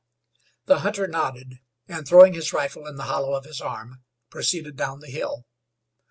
The hunter nodded, and, throwing his rifle in the hollow of his arm, proceeded down the hill.